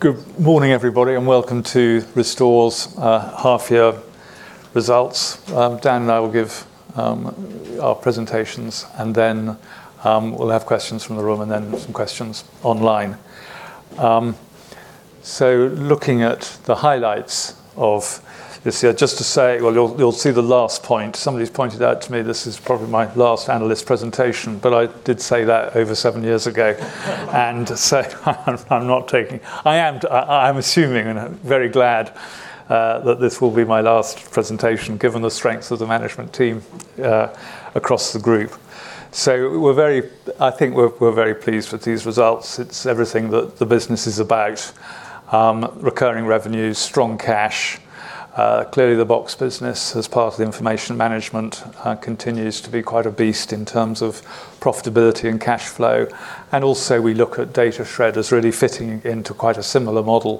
Good morning, everybody, and welcome to Restore's half-year results. Dan and I will give our presentations. Then we'll have questions from the room and some questions online. Looking at the highlights of this year, just to say, well, you'll see the last point. Somebody's pointed out to me this is probably my last analyst presentation, but I did say that over seven years ago. I am assuming, and I'm very glad that this will be my last presentation, given the strengths of the management team across the group. I think we're very pleased with these results. It's everything that the business is about. Recurring revenues, strong cash. Clearly, the box business, as part of the Information Management, continues to be quite a beast in terms of profitability and cash flow. We look at Datashred as really fitting into quite a similar model,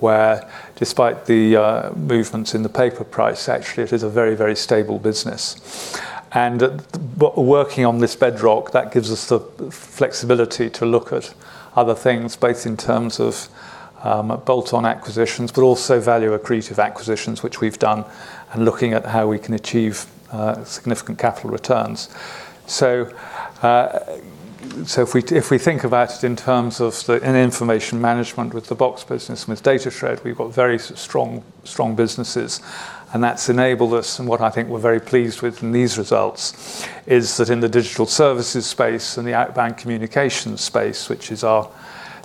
where despite the movements in the paper price, actually, it is a very stable business. Working on this bedrock, that gives us the flexibility to look at other things, both in terms of bolt-on acquisitions, but also value-accretive acquisitions, which we've done, and looking at how we can achieve significant capital returns. If we think about it in terms of the Information Management with the box business, with Datashred, we've got very strong businesses. That's enabled us and what I think we're very pleased with from these results is that in the digital services space and the Outbound Communications space, which is our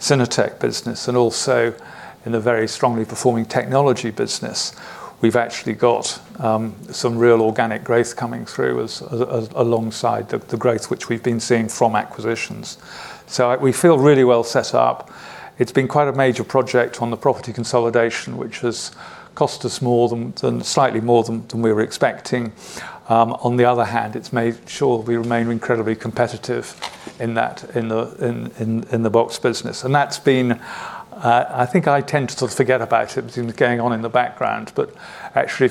Synertec business, and also in a very strongly performing technology business. We've actually got some real organic growth coming through alongside the growth which we've been seeing from acquisitions. We feel really well set up. It's been quite a major project on the property consolidation, which has cost us slightly more than we were expecting. On the other hand, it's made sure that we remain incredibly competitive in the box business. I think I tend to forget about it, between it going on in the background, but actually,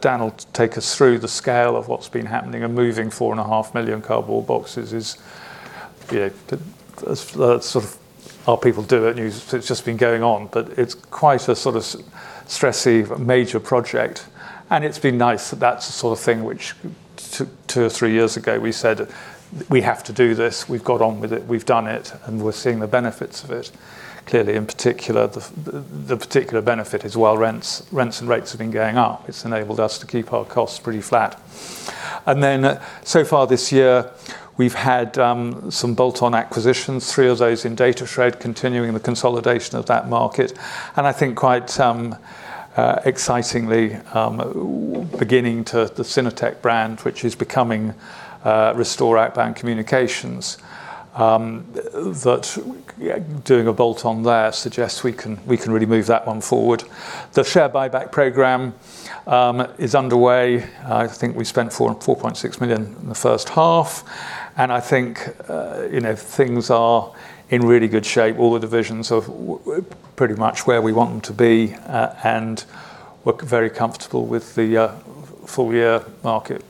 Dan will take us through the scale of what's been happening and moving four and a half million cardboard boxes is our people do it, and it's just been going on. It's quite a sort of stress-y major project, and it's been nice that that's the sort of thing which two or three years ago, we said, "We have to do this." We've got on with it, we've done it, and we're seeing the benefits of it. Clearly, in particular, the particular benefit is while rents and rates have been going up. It's enabled us to keep our costs pretty flat. So far this year, we've had some bolt-on acquisitions, three of those in Datashred, continuing the consolidation of that market. I think quite excitingly, beginning to the Synertec brand, which is becoming Restore Outbound Communications, that doing a bolt-on there suggests we can really move that one forward. The share buyback program is underway. I think we spent 4.6 million in the first half, and I think things are in really good shape. All the divisions are pretty much where we want them to be and look very comfortable with the full-year market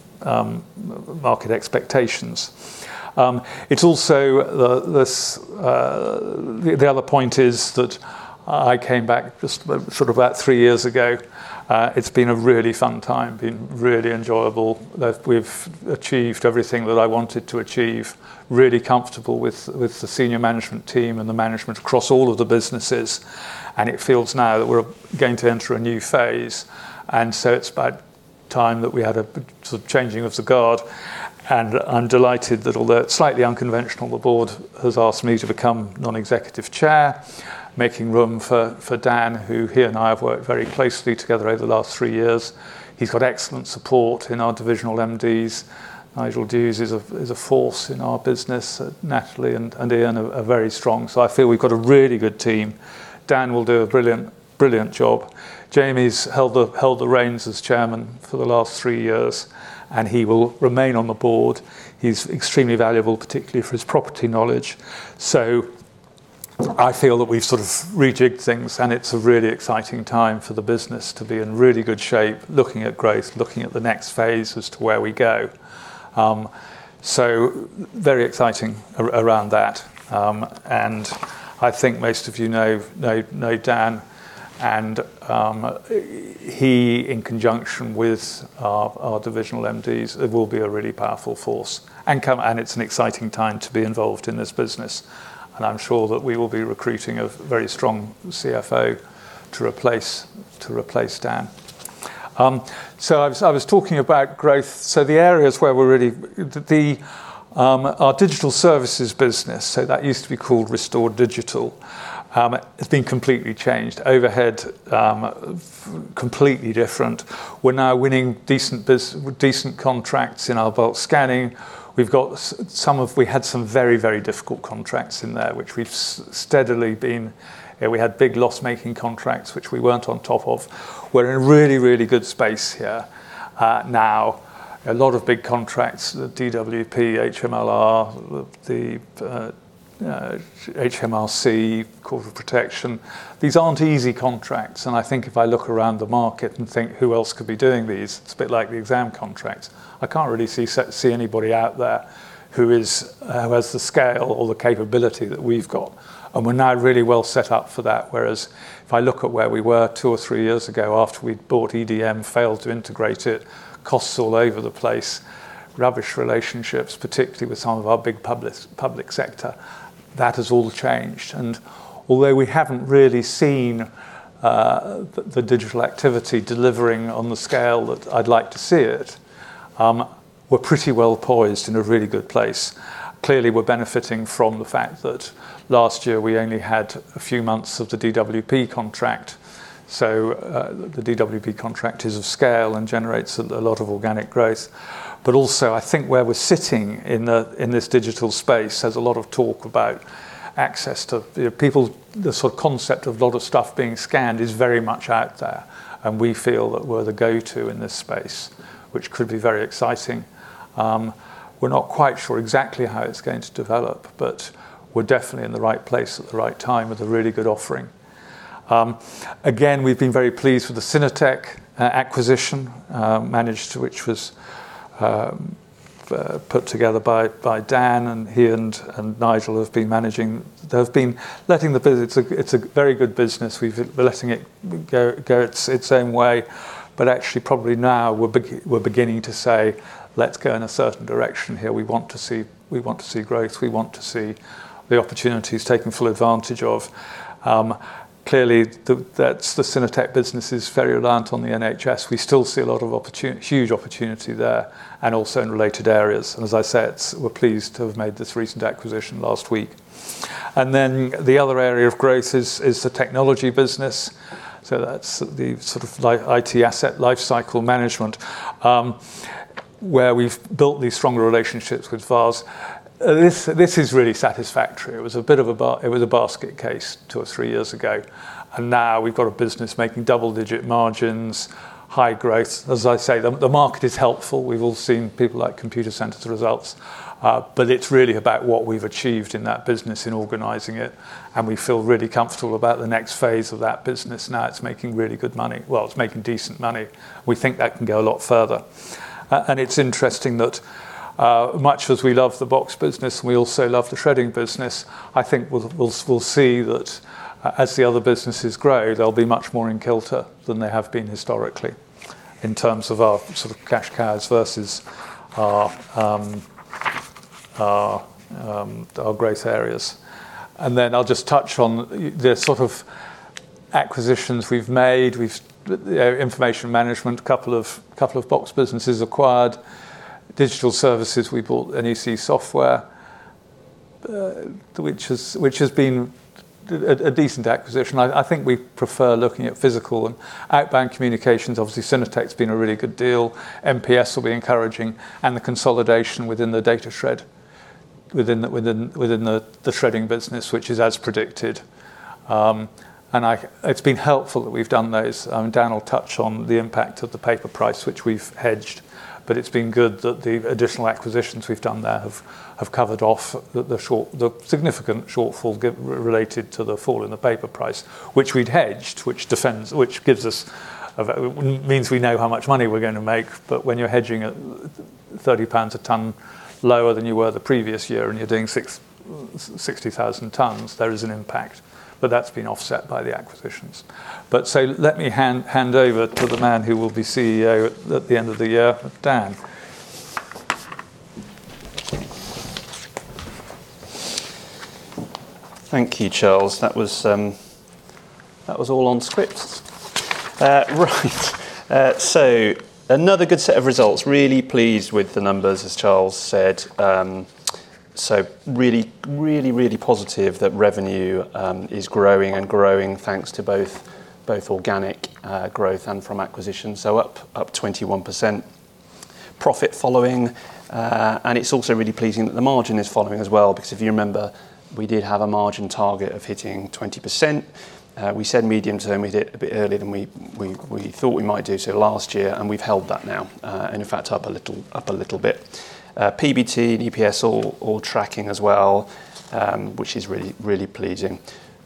expectations. The other point is that I came back just about three years ago. It's been a really fun time, been really enjoyable. We've achieved everything that I wanted to achieve, really comfortable with the senior management team and the management across all of the businesses. It feels now that we're going to enter a new phase. It's about time that we had a changing of the guard. I'm delighted that, although slightly unconventional, the board has asked me to become non-executive chair, making room for Dan, who he and I have worked very closely together over the last three years. He's got excellent support in our divisional MDs. Nigel Dews is a force in our business. Natalie and Iain are very strong. I feel we've got a really good team. Dan will do a brilliant job. Jamie's held the reins as chairman for the last three years, and he will remain on the board. He's extremely valuable, particularly for his property knowledge. I feel that we've sort of rejigged things, and it's a really exciting time for the business to be in really good shape, looking at growth, looking at the next phase as to where we go. Very exciting around that. I think most of you know Dan, and he, in conjunction with our divisional MDs, will be a really powerful force. It's an exciting time to be involved in this business, and I'm sure that we will be recruiting a very strong CFO to replace Dan. I was talking about growth. Our digital services business, that used to be called Restore Digital, has been completely changed. Overhead completely different. We're now winning decent contracts in our bulk scanning. We had some very difficult contracts in there. We had big loss-making contracts, which we weren't on top of. We're in a really good space here now. A lot of big contracts, the DWP, HMLR, the HMRC, Corporate Protection. These aren't easy contracts, and I think if I look around the market and think who else could be doing these, it's a bit like the exam contracts. I can't really see anybody out there who has the scale or the capability that we've got. We're now really well set up for that, whereas if I look at where we were two or three years ago, after we'd bought EDM, failed to integrate it, costs all over the place, rubbish relationships, particularly with some of our big public sector. That has all changed. Although we haven't really seen the digital activity delivering on the scale that I'd like to see it, we're pretty well poised in a really good place. Clearly, we're benefiting from the fact that last year we only had a few months of the DWP contract. The DWP contract is of scale and generates a lot of organic growth. Also, I think where we're sitting in this digital space, there's a lot of talk about access to people. The sort of concept of a lot of stuff being scanned is very much out there, and we feel that we're the go-to in this space, which could be very exciting. We're not quite sure exactly how it's going to develop, but we're definitely in the right place at the right time with a really good offering. Again, we've been very pleased with the Synertec acquisition, which was put together by Dan. He and Nigel have been managing. They've been letting the business. It's a very good business. We're letting it go its own way. Actually, probably now we're beginning to say, "Let's go in a certain direction here." We want to see growth. We want to see the opportunities taken full advantage of. Clearly, the Synertec business is very reliant on the NHS. We still see a lot of opportunity, huge opportunity there, and also in related areas. As I said, we're pleased to have made this recent acquisition last week. Then the other area of growth is the technology business. That's the sort of IT asset lifecycle management, where we've built these stronger relationships with VARs. This is really satisfactory. It was a basket case two or three years ago, and now we've got a business making double-digit margins, high growth. As I say, the market is helpful. We've all seen people like Computacenter results. It's really about what we've achieved in that business in organizing it, and we feel really comfortable about the next phase of that business. Now it's making really good money. Well, it's making decent money. We think that can go a lot further. It's interesting that much as we love the box business, we also love the shredding business. I think we'll see that as the other businesses grow, they'll be much more in kilter than they have been historically in terms of our sort of cash cows versus our growth areas. Then I'll just touch on the sort of acquisitions we've made. Information management, couple of box businesses acquired. Digital services, we bought NEC Software, which has been a decent acquisition. I think we prefer looking at physical and outbound communications. Obviously, Synertec's been a really good deal. MPS will be encouraging and the consolidation within the Datashred, within the shredding business, which is as predicted. It's been helpful that we've done those. Dan will touch on the impact of the paper price, which we've hedged. It's been good that the additional acquisitions we've done there have covered off the significant shortfall related to the fall in the paper price. Which we'd hedged, means we know how much money we're going to make. When you're hedging at 30 pounds a ton lower than you were the previous year and you're doing 60,000 tons, there is an impact. That's been offset by the acquisitions. Let me hand over to the man who will be CEO at the end of the year. Dan. Thank you, Charles. That was all on script. Right. Another good set of results. Really pleased with the numbers, as Charles said. Really positive that revenue is growing and growing, thanks to both organic growth and from acquisition. Up 21%. Profit following. It's also really pleasing that the margin is following as well because if you remember, we did have a margin target of hitting 20%. We said medium-term, we did it a bit earlier than we thought we might do so last year, and we've held that now, and in fact, up a little bit. PBT and EPS all tracking as well, which is really pleasing.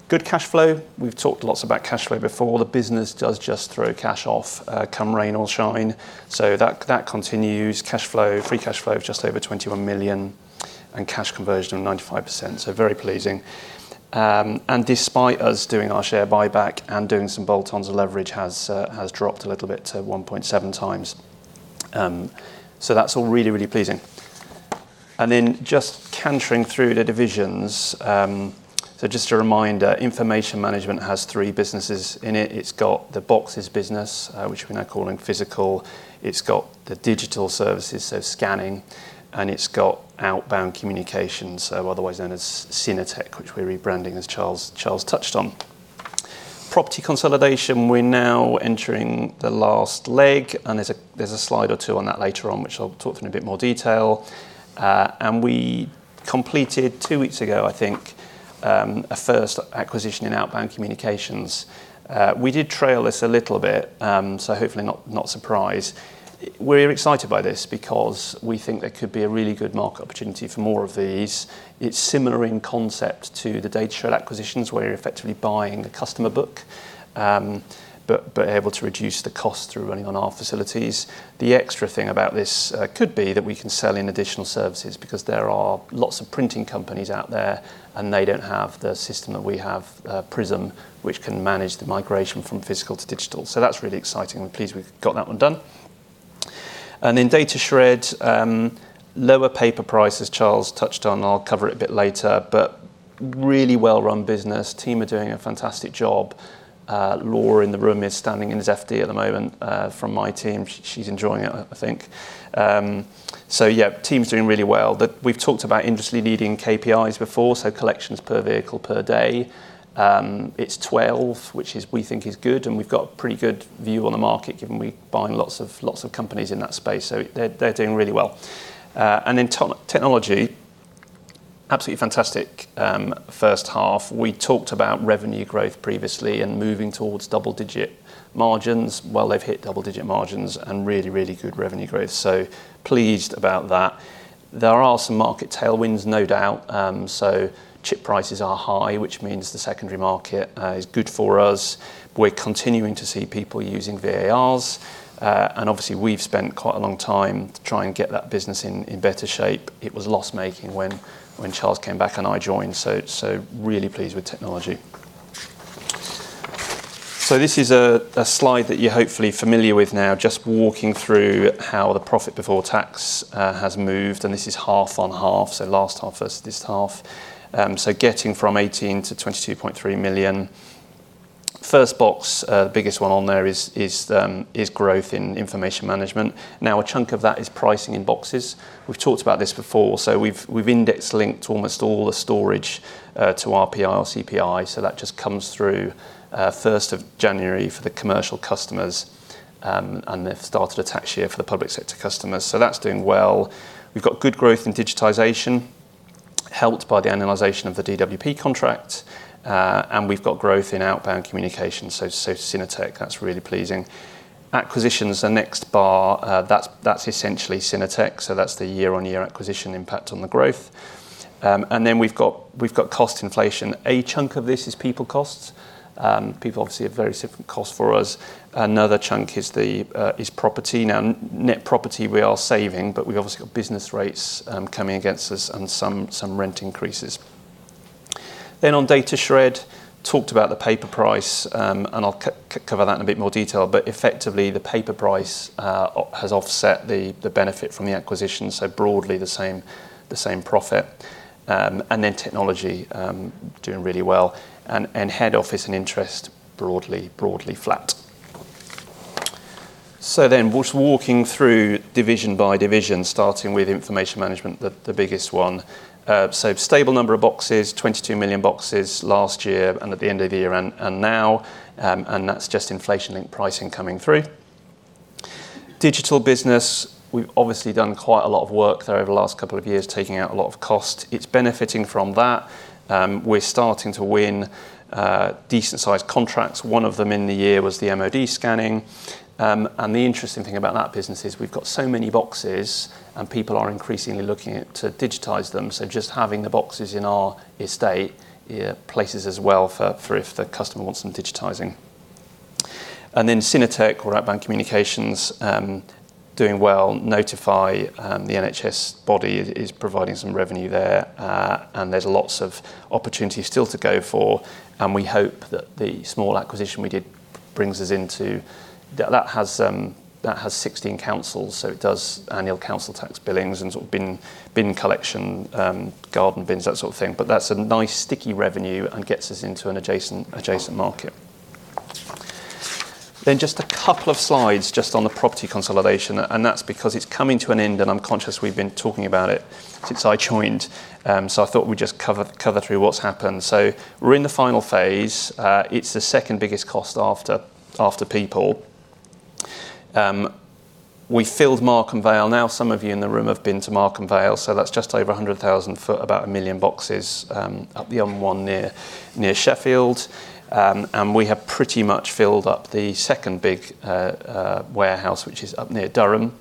Good cash flow. We've talked lots about cash flow before. The business does just throw cash off, come rain or shine. That continues. Cash flow, free cash flow of just over 21 million and cash conversion of 95%. Very pleasing. Despite us doing our share buyback and doing some bolt-ons, the leverage has dropped a little bit to 1.7x. That's all really, really pleasing. Just cantering through the divisions. Just a reminder, Information Management has three businesses in it. It's got the boxes business, which we're now calling physical. It's got the digital services, so scanning, and it's got Outbound Communications, otherwise known as Synertec, which we're rebranding, as Charles touched on. Property consolidation, we're now entering the last leg, and there's a slide or two on that later on, which I'll talk in a bit more detail. We completed two weeks ago, a first acquisition in Outbound Communications. We did trail this a little bit, hopefully not surprised. We're excited by this because we think there could be a really good market opportunity for more of these. It's similar in concept to the data acquisitions, where you're effectively buying the customer book, but able to reduce the cost through running on our facilities. The extra thing about this could be that we can sell in additional services because there are lots of printing companies out there, and they don't have the system that we have, Prism, which can manage the migration from physical to digital. That's really exciting. We're pleased we've got that one done. In Datashred, lower paper prices Charles touched on. I'll cover it a bit later. Really well-run business. Team are doing a fantastic job. Laura in the room is standing in as FD at the moment from my team. She's enjoying it, I think. Team's doing really well. We've talked about industry-leading KPIs before, collections per vehicle per day. It's 12, which we think is good, and we've got a pretty good view on the market, given we're buying lots of companies in that space. They're doing really well. Technology, absolutely fantastic first half. We talked about revenue growth previously and moving towards double-digit margins. They've hit double-digit margins and really good revenue growth, pleased about that. There are some market tailwinds, no doubt. Chip prices are high, which means the secondary market is good for us. We're continuing to see people using VARs. Obviously, we've spent quite a long time to try and get that business in better shape. It was loss-making when Charles came back and I joined. Really pleased with technology. This is a slide that you're hopefully familiar with now, just walking through how the profit before tax has moved, and this is half on half, last half versus this half. Getting from 18 million-22.3 million. First box, the biggest one on there is growth in Information Management. A chunk of that is pricing in boxes. We've talked about this before. We've index-linked almost all the storage to RPI or CPI, that just comes through 1st of January for the commercial customers, and they've started a tax year for the public sector customers. That's doing well. We've got good growth in digitization, helped by the annualization of the DWP contract. We've got growth in Outbound Communications, Synertec, that's really pleasing. Acquisitions, the next bar, that's essentially Synertec. That's the year-on-year acquisition impact on the growth. We've got cost inflation. A chunk of this is people costs. People obviously have very simple costs for us. Another chunk is property. Net property we are saving, but we've obviously got business rates coming against us and some rent increases. On Datashred, talked about the paper price, and I'll cover that in a bit more detail. Effectively, the paper price has offset the benefit from the acquisition, so broadly the same profit. Technology doing really well. Head office and interest broadly flat. Just walking through division by division, starting with Information Management, the biggest one. Stable number of boxes, 22 million boxes last year and at the end of the year and now, and that's just inflation in pricing coming through. Digital business, we've obviously done quite a lot of work there over the last couple of years, taking out a lot of cost. It's benefiting from that. We're starting to win decent-sized contracts. One of them in the year was the MOD scanning. The interesting thing about that business is we've got so many boxes, and people are increasingly looking to digitize them. Just having the boxes in our estate places us well for if the customer wants them digitizing. Synertec or Outbound Communications doing well. NHS Notify, the NHS body, is providing some revenue there. There's lots of opportunities still to go for. We hope that the small acquisition we did brings us into-- That has 16 councils, so it does annual council tax billings and bin collection, garden bins, that sort of thing. That's a nice sticky revenue and gets us into an adjacent market. Just a couple of slides just on the property consolidation, and that's because it's coming to an end, and I'm conscious we've been talking about it since I joined. I thought we'd just cover through what's happened. We're in the final phase. It's the second biggest cost after people. We filled Markham Vale. Some of you in the room have been to Markham Vale, so that's just over 100,000 sq ft, about one million boxes up beyond one near Sheffield. We have pretty much filled up the second big warehouse, which is up near Durham.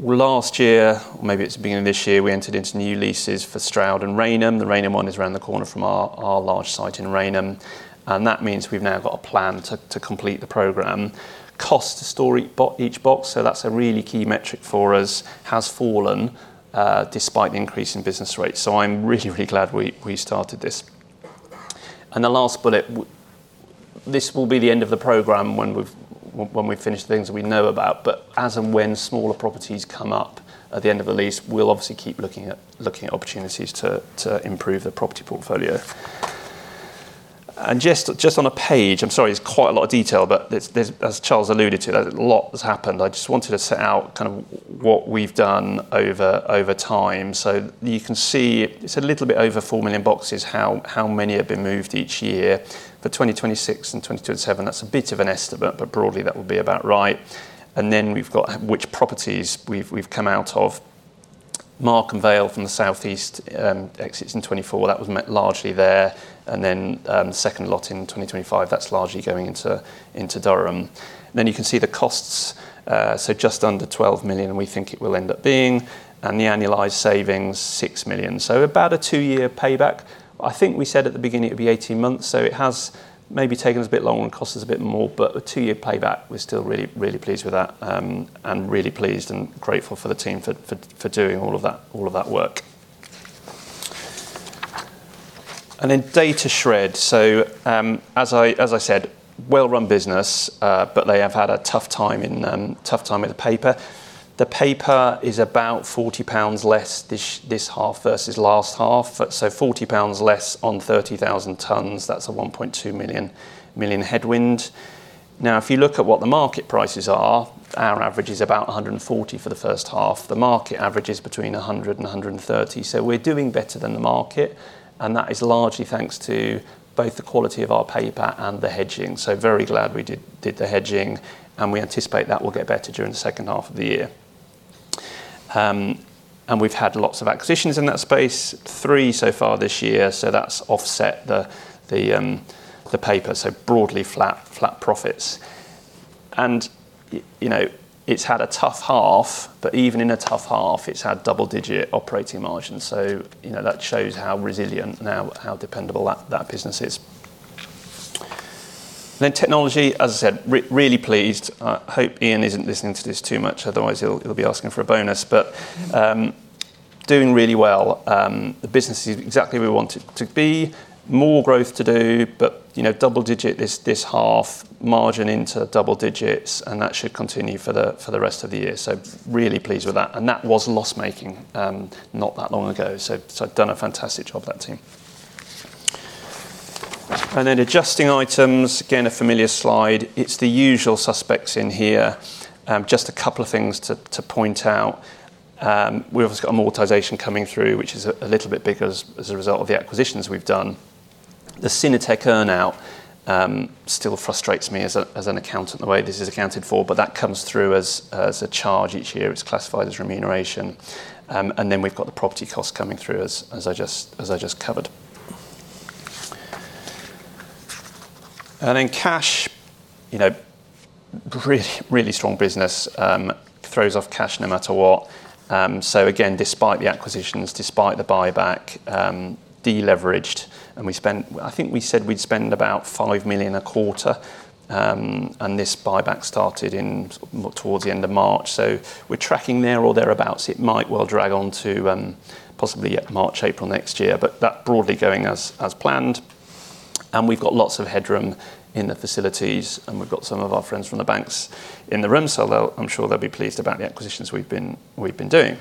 Last year, or maybe it's the beginning of this year, we entered into new leases for Stroud and Rainham. The Rainham one is around the corner from our large site in Rainham. That means we've now got a plan to complete the program. Cost to store each box, so that's a really key metric for us, has fallen despite the increase in business rates. I'm really glad we started this. The last bullet, this will be the end of the program when we've finished the things that we know about. As and when smaller properties come up at the end of the lease, we'll obviously keep looking at opportunities to improve the property portfolio. Just on a page, I'm sorry, it's quite a lot of detail, but as Charles alluded to, a lot has happened. I just wanted to set out what we've done over time. You can see it's a little bit over four million boxes, how many have been moved each year. 2026 and 2027, that's a bit of an estimate, but broadly, that would be about right. We've got which properties we've come out of Mark and Vale from the southeast exits in 2024, that was met largely there. The second lot in 2025, that's largely going into Durham. You can see the costs, just under 12 million we think it will end up being, and the annualized savings, 6 million. About a two-year payback. I think we said at the beginning it'd be 18 months, so it has maybe taken us a bit longer and cost us a bit more. A two-year payback, we're still really, really pleased with that. Really pleased and grateful for the team for doing all of that work. Datashred. As I said, well-run business, but they have had a tough time with the paper. The paper is about 40 pounds less this half versus last half. 40 pounds less on 30,000 tons, that's a 1.2 million headwind. If you look at what the market prices are, our average is about 140 for the first half. The market average is between 100-130. We're doing better than the market, and that is largely thanks to both the quality of our paper and the hedging. Very glad we did the hedging, and we anticipate that will get better during the second half of the year. We've had lots of acquisitions in that space, three so far this year. That's offset the paper, broadly flat profits. It's had a tough half, but even in a tough half, it's had double-digit operating margins. That shows how resilient and how dependable that business is. Technology, as I said, really pleased. I hope Iain isn't listening to this too much, otherwise he'll be asking for a bonus. Doing really well. The business is exactly where we want it to be. More growth to do, but double-digit this half, margin into double digits, and that should continue for the rest of the year. Really pleased with that. That was loss-making not that long ago. Done a fantastic job, that team. Adjusting items, again, a familiar slide. It's the usual suspects in here. Just a couple of things to point out. We've obviously got amortization coming through, which is a little bit bigger as a result of the acquisitions we've done. The Synertec earn-out still frustrates me, as an accountant, the way this is accounted for. That comes through as a charge each year. It's classified as remuneration. We've got the property cost coming through as I just covered. Cash. Really strong business. Throws off cash no matter what. Again, despite the acquisitions, despite the buyback, de-leveraged, and I think we said we'd spend about 5 million a quarter. This buyback started towards the end of March. We're tracking there or thereabouts. It might well drag on to possibly March, April next year. That broadly going as planned. We've got lots of headroom in the facilities, and we've got some of our friends from the banks in the room. I'm sure they'll be pleased about the acquisitions we've been doing.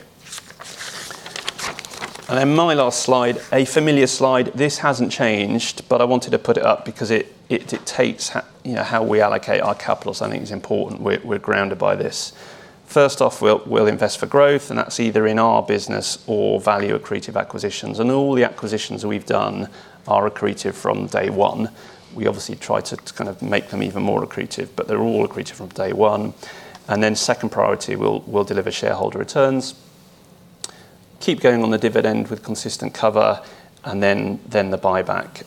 My last slide, a familiar slide. This hasn't changed. I wanted to put it up because it dictates how we allocate our capital. I think it's important we're grounded by this. First off, we'll invest for growth, and that's either in our business or value-accretive acquisitions. All the acquisitions we've done are accretive from day one. We obviously try to make them even more accretive, but they're all accretive from day one. Second priority, we'll deliver shareholder returns, keep going on the dividend with consistent cover, and then the buyback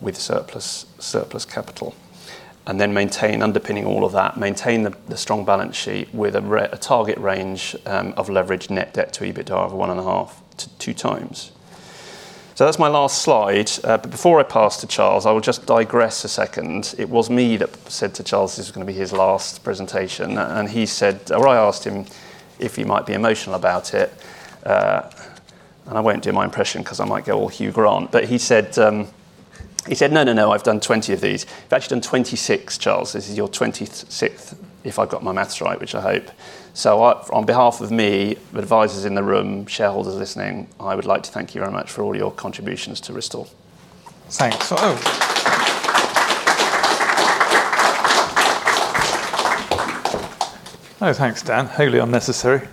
with surplus capital. Underpinning all of that, maintain the strong balance sheet with a target range of leveraged net debt to EBITDA of 1.5x-2x. That's my last slide. Before I pass to Charles, I will just digress a second. It was me that said to Charles this is going to be his last presentation. And He said, I asked him if he might be emotional about it. I won't do my impression because I might go all Hugh Grant. He said, "No, no, I've done 20 of these." You've actually done 26, Charles. This is your 26th, if I've got my math right, which I hope. On behalf of me, the advisors in the room, shareholders listening, I would like to thank you very much for all your contributions to Restore. Thanks, Dan. Wholly unnecessary.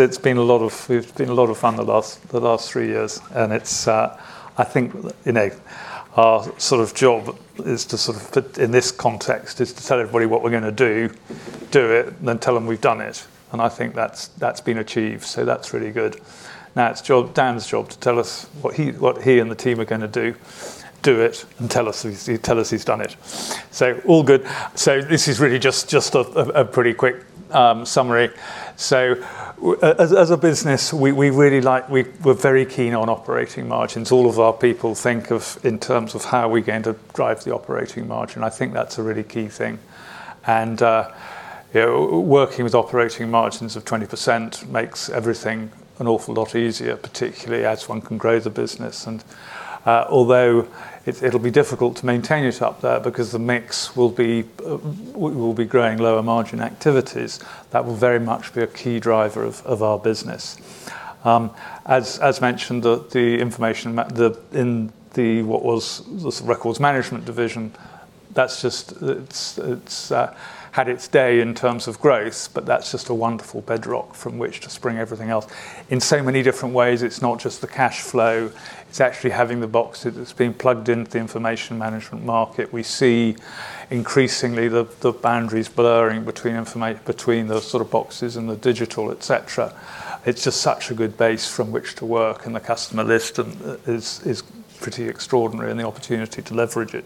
It's been a lot of fun the last three years. I think our job, in this context, is to tell everybody what we're going to do it, and then tell them we've done it. I think that's been achieved, so that's really good. Now it's Dan's job to tell us what he and the team are going to do it, and tell us he's done it. All good. This is really just a pretty quick summary. As a business, we're very keen on operating margins. All of our people think in terms of how we're going to drive the operating margin. I think that's a really key thing. Working with operating margins of 20% makes everything an awful lot easier, particularly as one can grow the business. Although it'll be difficult to maintain it up there because the mix, we'll be growing lower margin activities, that will very much be a key driver of our business. As mentioned, the information in what was the records management division. That's just had its day in terms of growth, but that's just a wonderful bedrock from which to spring everything else in so many different ways. It's not just the cash flow, it's actually having the boxes that's been plugged into the Information Management market. We see increasingly the boundaries blurring between those sort of boxes and the digital, et cetera. It's just such a good base from which to work, and the customer list is pretty extraordinary, and the opportunity to leverage it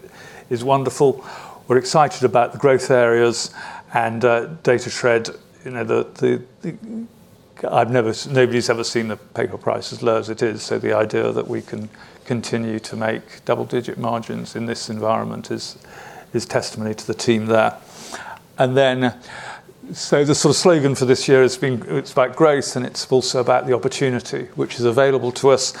is wonderful. We're excited about the growth areas and Datashred. Nobody's ever seen the paper price as low as it is. The idea that we can continue to make double-digit margins in this environment is testimony to the team there. The sort of slogan for this year, it's about growth and it's also about the opportunity which is available to us.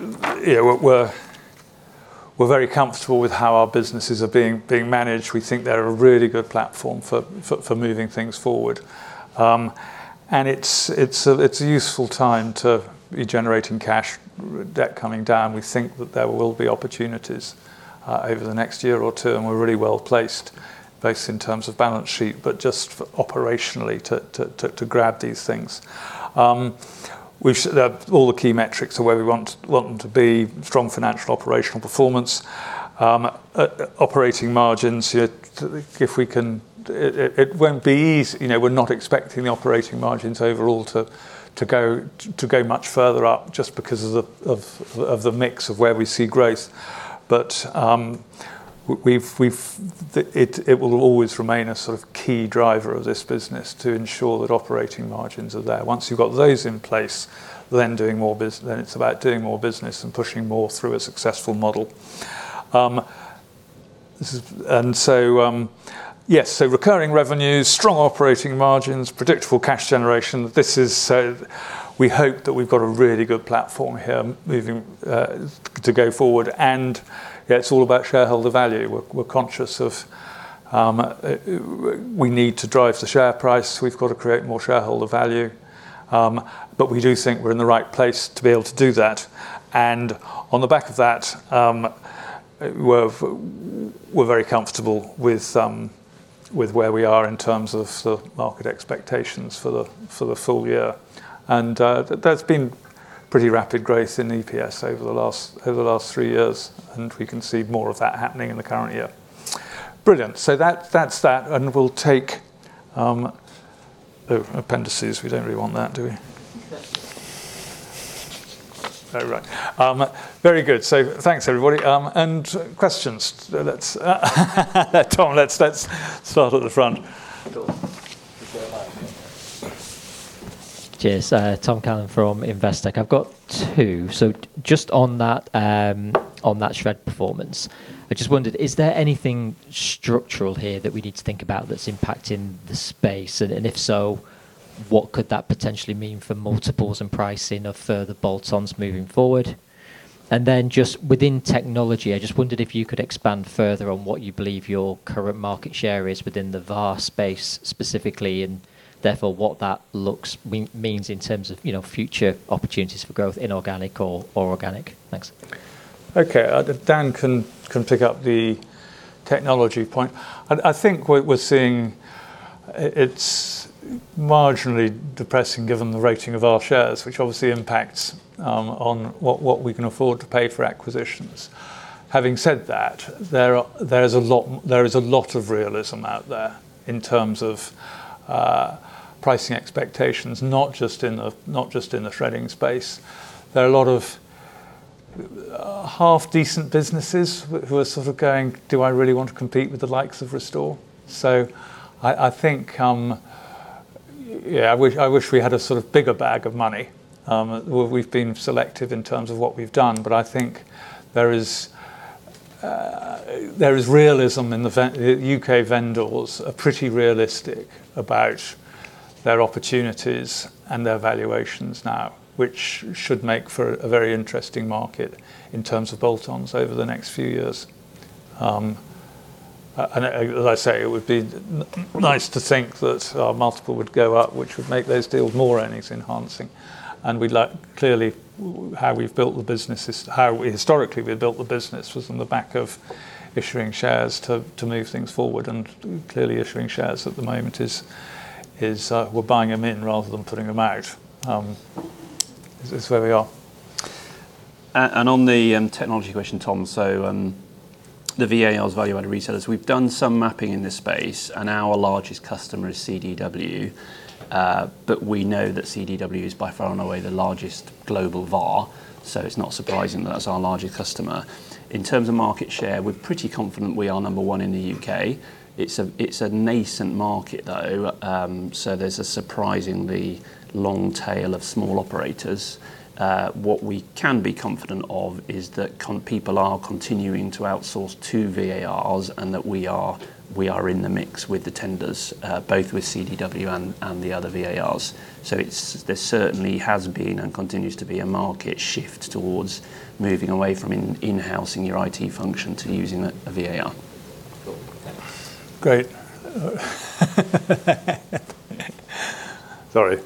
We're very comfortable with how our businesses are being managed. We think they're a really good platform for moving things forward. It's a useful time to be generating cash, debt coming down. We think that there will be opportunities over the next year or two, and we're really well-placed, both in terms of balance sheet, but just operationally to grab these things. All the key metrics are where we want them to be. Strong financial operational performance. Operating margins, it won't be easy. We're not expecting the operating margins overall to go much further up just because of the mix of where we see growth. It will always remain a sort of key driver of this business to ensure that operating margins are there. Once you've got those in place, it's about doing more business and pushing more through a successful model. Recurring revenues, strong operating margins, predictable cash generation. We hope that we've got a really good platform here to go forward, and it's all about shareholder value. We're conscious of we need to drive the share price. We've got to create more shareholder value. We do think we're in the right place to be able to do that. On the back of that, we're very comfortable with where we are in terms of sort of market expectations for the full year. There's been pretty rapid growth in EPS over the last three years, and we can see more of that happening in the current year. Brilliant. That's that, we'll take Appendices, we don't really want that, do we? All right. Very good. Thanks, everybody. Questions. Tom, let's start at the front. Cheers. Tom Callan from Investec. I've got two. Just on that shred performance, I just wondered, is there anything structural here that we need to think about that's impacting the space? If so, what could that potentially mean for multiples and pricing of further bolt-ons moving forward? Just within technology, I just wondered if you could expand further on what you believe your current market share is within the VAR space specifically, and therefore, what that means in terms of future opportunities for growth, inorganic or organic? Thanks. Okay. Dan can pick up the technology point. I think what we're seeing, it's marginally depressing given the rating of our shares, which obviously impacts on what we can afford to pay for acquisitions. Having said that, there is a lot of realism out there in terms of pricing expectations, not just in the shredding space. There are a lot of half-decent businesses who are sort of going, "Do I really want to compete with the likes of Restore?" I think, yeah, I wish we had a sort of bigger bag of money. We've been selective in terms of what we've done, but I think there is realism. U.K. vendors are pretty realistic about their opportunities and their valuations now, which should make for a very interesting market in terms of bolt-ons over the next few years. As I say, it would be nice to think that our multiple would go up, which would make those deals more earnings enhancing. Clearly, how historically we built the business was on the back of issuing shares to move things forward. Clearly, issuing shares at the moment is we're buying them in rather than putting them out. It's where we are. On the technology question, Tom, the VARs, value-added resellers, we've done some mapping in this space, and our largest customer is CDW. We know that CDW is by far and away the largest global VAR. It's not surprising that that's our largest customer. In terms of market share, we're pretty confident we are number one in the U.K. It's a nascent market, though. There's a surprisingly long tail of small operators. What we can be confident of is that people are continuing to outsource to VARs, and that we are in the mix with the tenders, both with CDW and the other VARs. There certainly has been and continues to be a market shift towards moving away from in-housing your IT function to using a VAR. Cool. Thanks. Great. Sorry.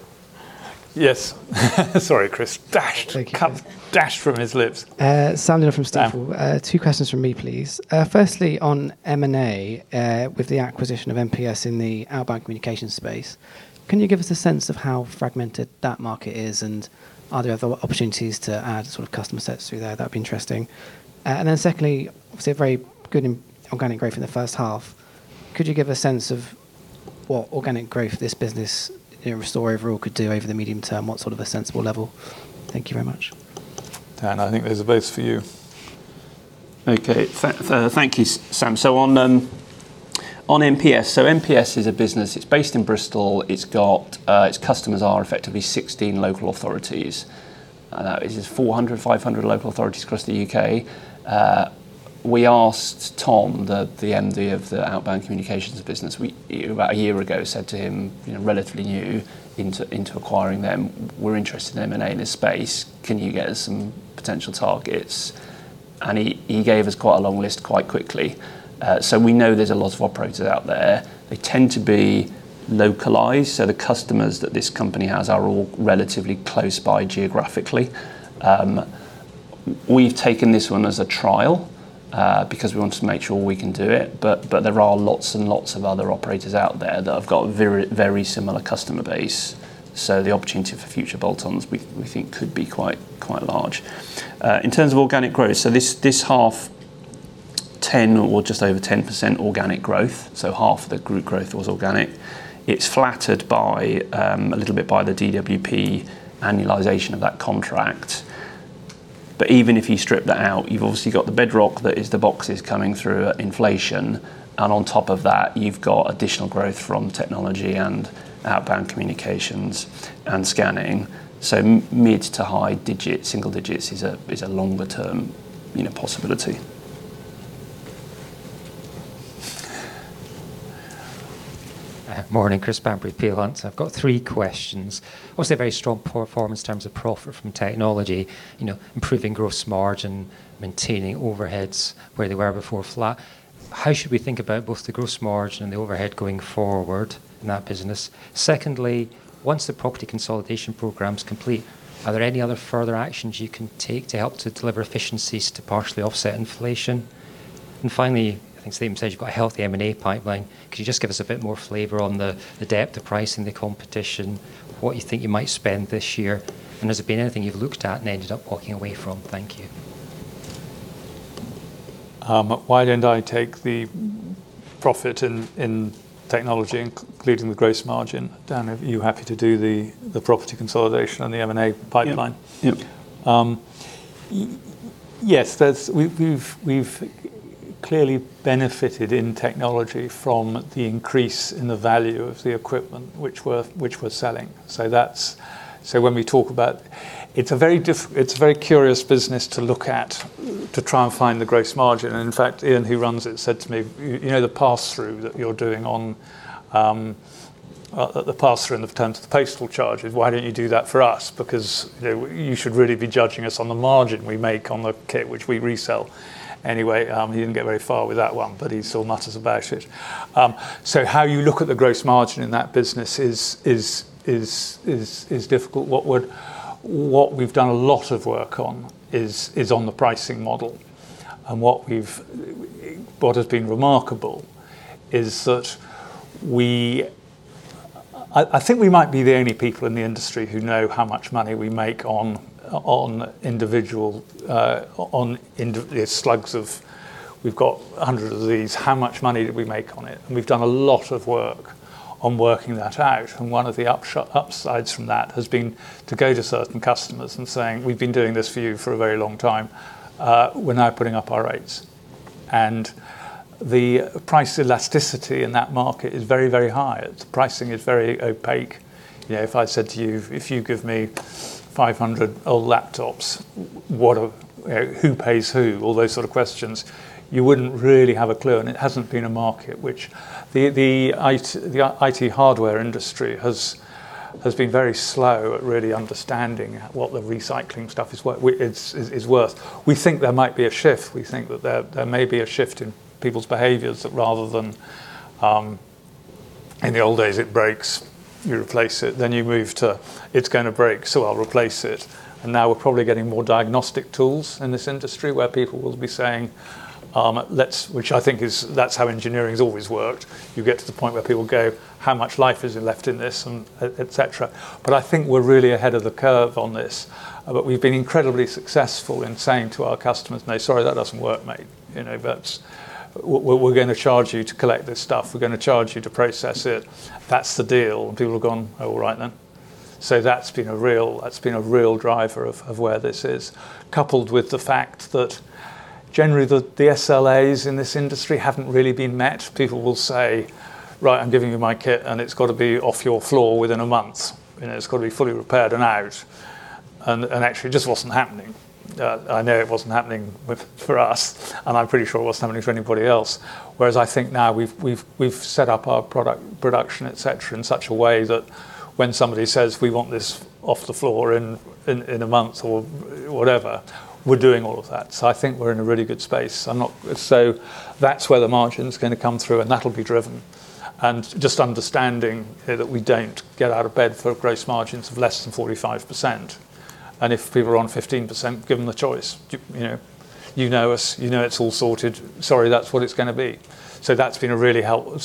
Yes. Sorry, Chris. Dashed from his lips. Sam Miller from Stifel. Two questions from me, please. Firstly, on M&A, with the acquisition of MPS in the outbound communication space, can you give us a sense of how fragmented that market is, and are there other opportunities to add customer sets through there that'd be interesting? Secondly, obviously a very good organic growth in the first half. Could you give a sense of what organic growth this business in Restore overall could do over the medium term? What sort of a sensible level? Thank you very much. Dan, I think there's a place for you. Okay. Thank you, Sam. On MPS. MPS is a business, it's based in Bristol. Its customers are effectively 16 local authorities. There's 400, 500 local authorities across the U.K. We asked Tom, the MD of the outbound communications business, about a year ago, said to him, relatively new into acquiring them, "We're interested in M&A in this space. Can you get us some potential targets?" He gave us quite a long list quite quickly. We know there's a lot of operators out there. They tend to be localized. The customers that this company has are all relatively close by geographically. We've taken this one as a trial, because we wanted to make sure we can do it. There are lots and lots of other operators out there that have got a very similar customer base. The opportunity for future bolt-ons, we think could be quite large. In terms of organic growth, this half, 10% or just over 10% organic growth, half the group growth was organic. It's flattered a little bit by the DWP annualization of that contract. Even if you strip that out, you've obviously got the bedrock that is the boxes coming through at inflation. On top of that, you've got additional growth from technology and outbound communications and scanning. Mid to high single digits is a longer-term possibility. Morning, Chris Bamberry, Peel Hunt. I've got three questions. Obviously a very strong performance in terms of profit from technology, improving gross margin, maintaining overheads where they were before flat. How should we think about both the gross margin and the overhead going forward in that business? Secondly, once the property consolidation program's complete, are there any other further actions you can take to help to deliver efficiencies to partially offset inflation? Finally, I think Skinner said you've got a healthy M&A pipeline. Could you just give us a bit more flavor on the depth, the pricing, the competition, what you think you might spend this year, and has there been anything you've looked at and ended up walking away from? Thank you. Why don't I take the profit in technology, including the gross margin? Dan, are you happy to do the property consolidation and the M&A pipeline? Yep. Yes. We've clearly benefited in technology from the increase in the value of the equipment which we're selling. It's a very curious business to look at to try and find the gross margin. In fact, Iain, who runs it, said to me, "You know the pass-through in terms of the postal charges, why don't you do that for us? Because you should really be judging us on the margin we make on the kit which we resell." Anyway, he didn't get very far with that one, but he still mutters about it. How you look at the gross margin in that business is difficult. What we've done a lot of work on is on the pricing model. What has been remarkable is that I think we might be the only people in the industry who know how much money we make on individual slugs of, we've got hundreds of these, how much money did we make on it? We've done a lot of work on working that out. One of the upsides from that has been to go to certain customers and saying, "We've been doing this for you for a very long time. We're now putting up our rates." The price elasticity in that market is very, very high. Pricing is very opaque. If I said to you, "If you give me 500 old laptops, who pays who?" All those sort of questions, you wouldn't really have a clue. It hasn't been a market, which the IT hardware industry has been very slow at really understanding what the recycling stuff is worth. We think there might be a shift. We think that there may be a shift in people's behaviors that rather than, in the old days, it breaks, you replace it, then you move to, it's going to break, so I'll replace it. Now we're probably getting more diagnostic tools in this industry where people will be saying, which I think is that's how engineering's always worked. You get to the point where people go, "How much life is there left in this?" Et cetera. I think we're really ahead of the curve on this. We've been incredibly successful in saying to our customers, "No, sorry, that doesn't work, mate. We're going to charge you to collect this stuff. We're going to charge you to process it. That's the deal." People have gone, "Oh, all right then." That's been a real driver of where this is. Coupled with the fact that generally, the SLAs in this industry haven't really been met. People will say, "Right, I'm giving you my kit, and it's got to be off your floor within a month. It's got to be fully repaired and out." Actually, it just wasn't happening. I know it wasn't happening for us, and I'm pretty sure it wasn't happening for anybody else. Whereas I think now we've set up our production, et cetera, in such a way that when somebody says, we want this off the floor in a month or whatever, we're doing all of that. I think we're in a really good space. That's where the margin's going to come through. Just understanding that we don't get out of bed for gross margins of less than 45%. If people are on 15%, given the choice, you know it's all sorted. Sorry, that's what it's going to be. That's been a real help.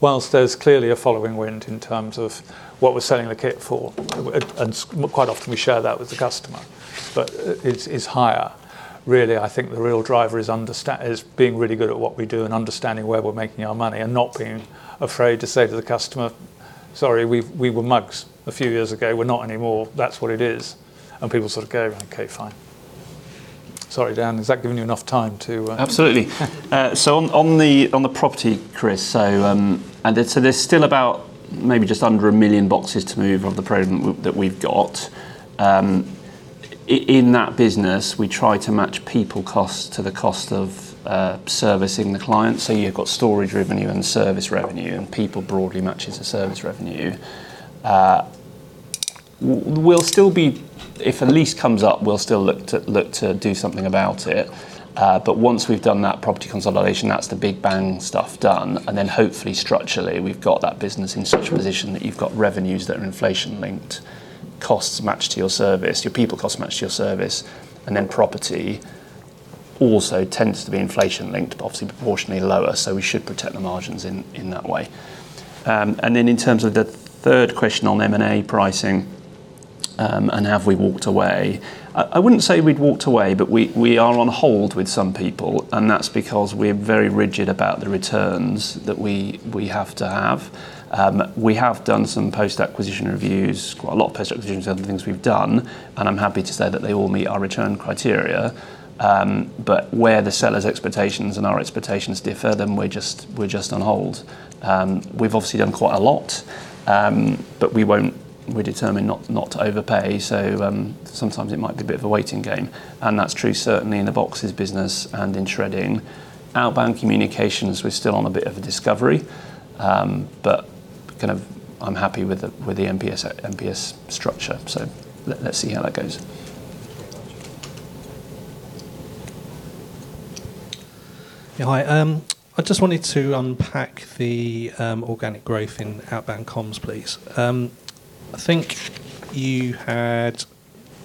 Whilst there's clearly a following wind in terms of what we're selling the kit for, and quite often we share that with the customer, but it's higher. Really, I think the real driver is being really good at what we do and understanding where we're making our money and not being afraid to say to the customer, "Sorry, we were mugs a few years ago. We're not anymore. That's what it is." People sort of go, "Okay, fine." Sorry, Dan, has that given you enough time to- Absolutely. On the property, Chris, there's still about maybe just under one million boxes to move of the program that we've got. In that business, we try to match people costs to the cost of servicing the client. You've got storage revenue and service revenue, and people broadly matches the service revenue. If a lease comes up, we'll still look to do something about it. Once we've done that property consolidation, that's the big bang stuff done, hopefully structurally, we've got that business in such a position that you've got revenues that are inflation-linked, costs matched to your service, your people cost matched to your service, and then property also tends to be inflation-linked, but obviously proportionally lower. We should protect the margins in that way. In terms of the third question on M&A pricing. Have we walked away? I wouldn't say we'd walked away. We are on hold with some people. That's because we're very rigid about the returns that we have to have. We have done some post-acquisition reviews, quite a lot of post acquisitions of other things we've done, and I'm happy to say that they all meet our return criteria. Where the seller's expectations and our expectations differ, we're just on hold. We've obviously done quite a lot. We're determined not to overpay, sometimes it might be a bit of a waiting game, and that's true certainly in the boxes business and in shredding. Outbound Communications, we're still on a bit of a discovery, but kind of I'm happy with the MPS structure. Let's see how that goes. Yeah, hi. I just wanted to unpack the organic growth in Outbound Comms, please. The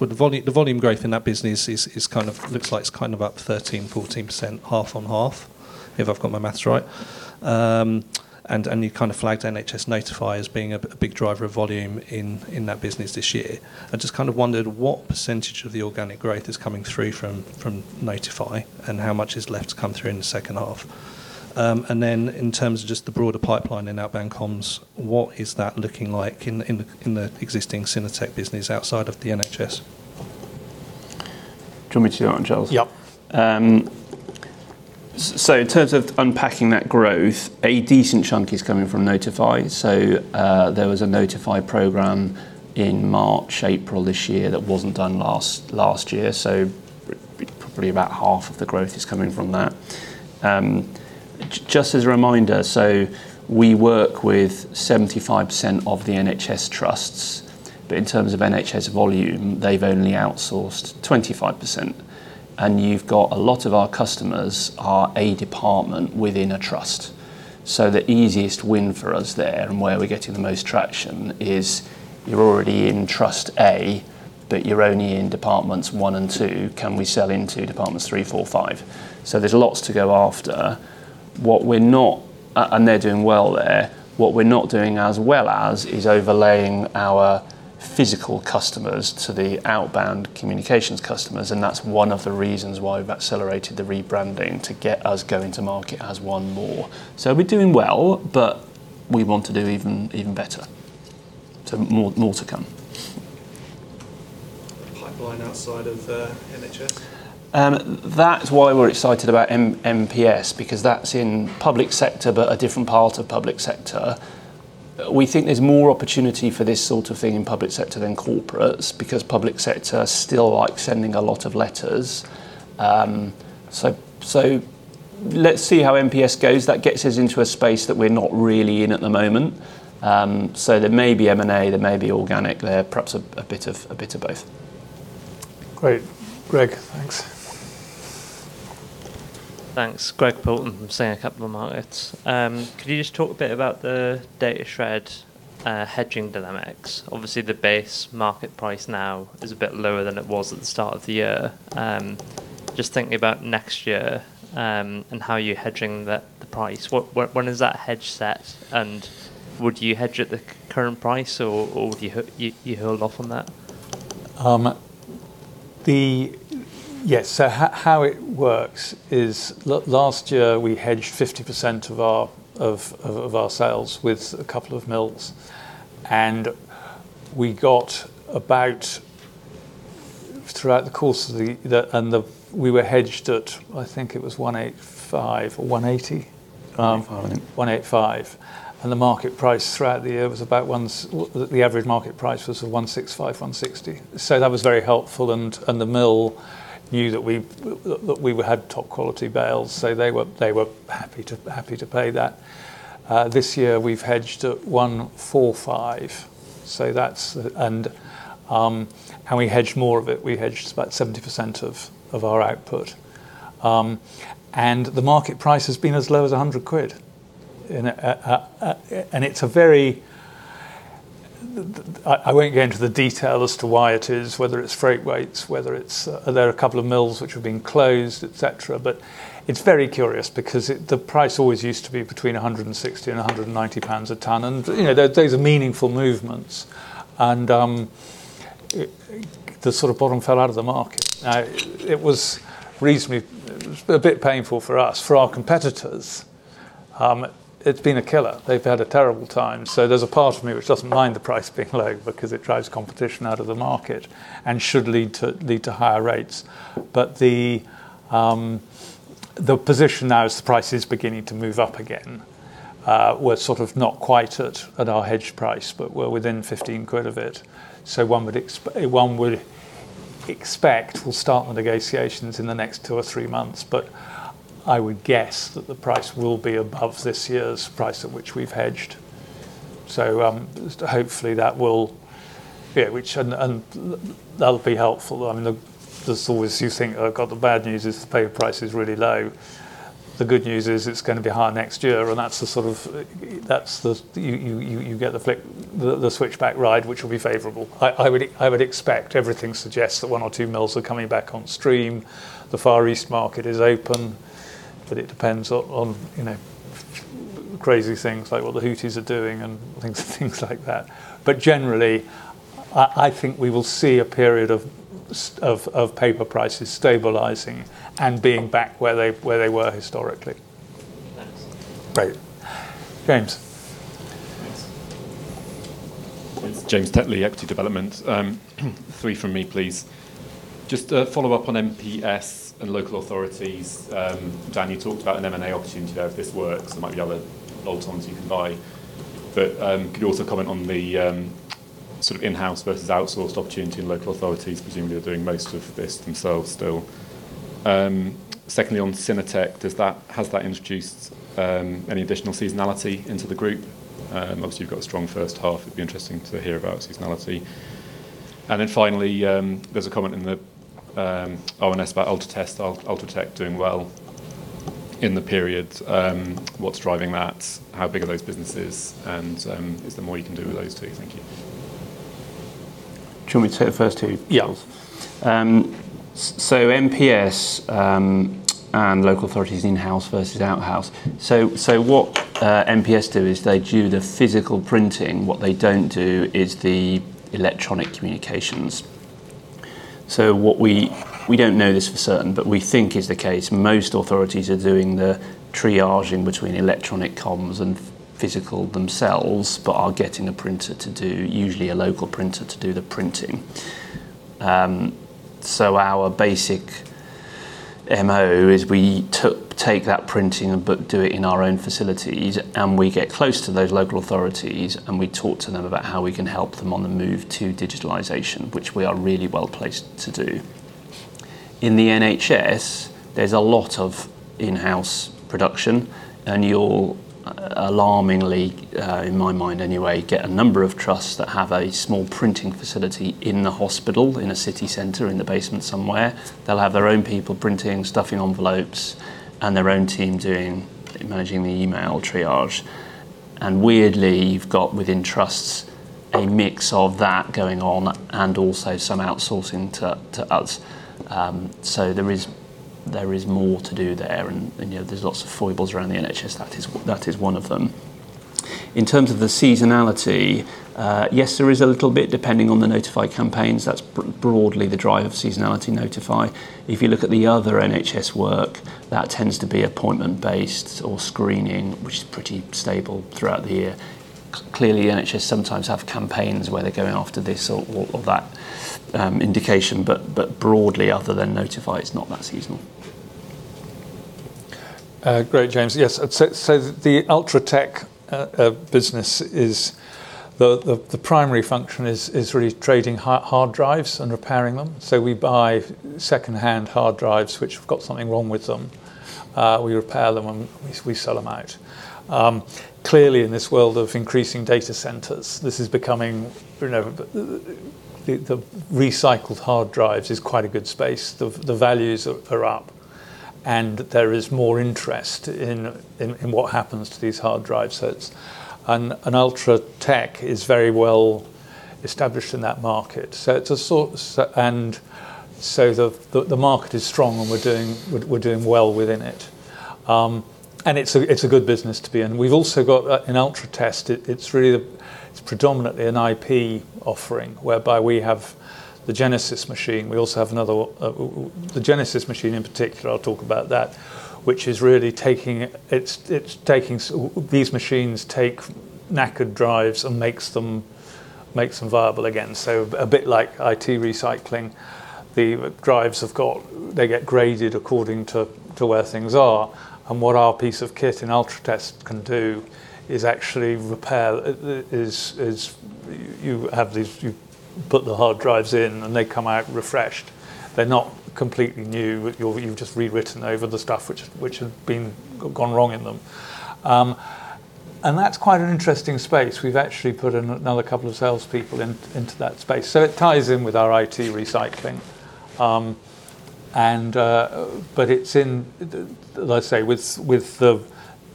volume growth in that business looks like it's kind of up 13%, 14%, half-on-half, if I've got my maths right. You kind of flagged NHS Notify as being a big driver of volume in that business this year. I just kind of wondered what percentage of the organic growth is coming through from Notify and how much is left to come through in the second half. In terms of just the broader pipeline in Outbound Comms, what is that looking like in the existing Synertec business outside of the NHS? Do you want me to do that one, Charles? Yep. In terms of unpacking that growth, a decent chunk is coming from NHS Notify. There was an NHS Notify program in March, April this year that wasn't done last year. Probably about half of the growth is coming from that. Just as a reminder, we work with 75% of the NHS trusts, but in terms of NHS volume, they've only outsourced 25%. You've got a lot of our customers are a department within a trust. The easiest win for us there, and where we're getting the most traction is you're already in Trust A, but you're only in departments one and two, can we sell into departments three, four and five? There's lots to go after. They're doing well there. What we're not doing as well as is overlaying our physical customers to the outbound communications customers, that's one of the reasons why we've accelerated the rebranding to get us going to market as one more. We're doing well, but we want to do even better. More to come. Pipeline outside of NHS? That's why we're excited about MPS, because that's in public sector, but a different part of public sector. We think there's more opportunity for this sort of thing in public sector than corporates, because public sector still likes sending a lot of letters. Let's see how MPS goes. That gets us into a space that we're not really in at the moment. There may be M&A, there may be organic there. Perhaps a bit of both. Great. Greg, thanks. Thanks. Greg Poulton from Singer Capital Markets. Could you just talk a bit about the Datashred hedging dynamics? Obviously, the base market price now is a bit lower than it was at the start of the year. Just thinking about next year, and how you're hedging the price, when is that hedge set, and would you hedge at the current price or would you hold off on that? Yes. How it works is last year we hedged 50% of our sales with a couple of mills, and we got about throughout the course of the We were hedged at, I think it was 185 or 180. 185, I think. GBP 185. The market price throughout the year, the average market price was 165, 160. That was very helpful, and the mill knew that we had top quality bales, so they were happy to pay that. This year we've hedged at 145. How we hedge more of it, we hedged about 70% of our output. The market price has been as low as 100 quid. I won't go into the detail as to why it is, whether it's freight rates, whether there are a couple of mills which have been closed, et cetera. It's very curious because the price always used to be between 160 and 190 pounds a ton, and those are meaningful movements. The bottom fell out of the market. It was a bit painful for us. For our competitors, it's been a killer. They've had a terrible time. There's a part of me which doesn't mind the price being low because it drives competition out of the market and should lead to higher rates. The position now is the price is beginning to move up again. We're not quite at our hedge price, but we're within 15 quid of it. One would expect we'll start the negotiations in the next two or three months, I would guess that the price will be above this year's price at which we've hedged. Hopefully, that'll be helpful. You think, "Oh, God, the bad news is the paper price is really low. The good news is it's going to be higher next year." You get the switchback ride, which will be favorable. I would expect everything suggests that one or two mills are coming back on stream. The Far East market is open, it depends on crazy things like what the Houthis are doing and things like that. Generally, I think we will see a period of paper prices stabilizing and being back where they were historically. Thanks. Great. James. James Tetley, Equity Development. Three from me, please. Just to follow up on MPS and local authorities. Dan, you talked about an M&A opportunity there if this works. There might be other add-ons you can buy. Could you also comment on the in-house versus outsourced opportunity in local authorities? Presumably, they're doing most of this themselves still. Secondly, on Synertec, has that introduced any additional seasonality into the group? Obviously, you've got a strong first half. It'd be interesting to hear about seasonality. Finally, there's a comment in the RNS about Ultratec doing well in the period. What's driving that? How big are those businesses? Is there more you can do with those two? Thank you. Do you want me to take the first two? Yes. MPS and local authorities in-house versus out-house. What MPS do is they do the physical printing. What they don't do is the electronic communications. We don't know this for certain, but we think is the case. Most authorities are doing the triaging between electronic comms and physical themselves, but are getting a printer to do, usually a local printer to do the printing. Our basic MO is we take that printing but do it in our own facilities, and we get close to those local authorities, and we talk to them about how we can help them on the move to digitalization, which we are really well-placed to do. In the NHS, there's a lot of in-house production, and you'll, alarmingly, in my mind anyway, get a number of trusts that have a small printing facility in the hospital, in a city center, in the basement somewhere. They'll have their own people printing, stuffing envelopes, and their own team doing managing the email triage. Weirdly, you've got within trusts a mix of that going on and also some outsourcing to us. There is more to do there, and there's lots of foibles around the NHS. That is one of them. In terms of the seasonality, yes, there is a little bit depending on the Notify campaigns. That's broadly the drive of seasonality Notify. If you look at the other NHS work, that tends to be appointment-based or screening, which is pretty stable throughout the year. Clearly, NHS sometimes have campaigns where they're going after this or that indication. Broadly, other than Notify, it's not that seasonal. Great, James. Yes. The Ultratec business, the primary function is really trading hard drives and repairing them. We buy second-hand hard drives which have got something wrong with them. We repair them, and we sell them out. Clearly, in this world of increasing data centers, the recycled hard drives is quite a good space. The values are up, and there is more interest in what happens to these hard drives. Ultratec is very well established in that market. The market is strong, and we're doing well within it. It's a good business to be in. We've also got an Ultratec. It's predominantly an IP offering, whereby we have the Genesis machine. The Genesis machine in particular, I'll talk about that. These machines take knackered drives and makes them viable again. A bit like IT recycling, the drives, they get graded according to where things are. What our piece of kit in Ultratec can do is actually repair. You put the hard drives in, and they come out refreshed. They're not completely new. You've just rewritten over the stuff which had gone wrong in them. That's quite an interesting space. We've actually put another couple of salespeople into that space. It ties in with our IT recycling. As I say, with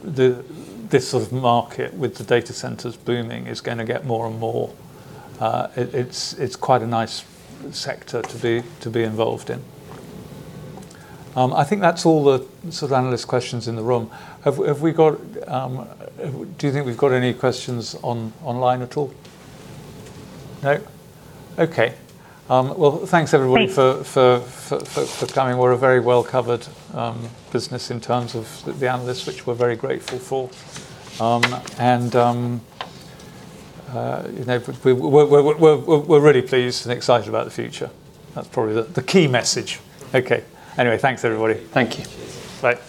this sort of market, with the data centers booming, it's going to get more and more. It's quite a nice sector to be involved in. I think that's all the sort of analyst questions in the room. Do you think we've got any questions online at all? No? Okay. Well, thanks everyone for coming. We're a very well-covered business in terms of the analysts, which we're very grateful for. We're really pleased and excited about the future. That's probably the key message. Okay. Anyway, thanks, everybody. Thank you. Bye